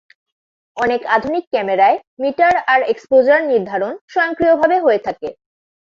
অনেক আধুনিক ক্যামেরায় মিটার আর এক্সপোজার নির্ধারণ স্বয়ংক্রিয়ভাবে হয়ে থাকে।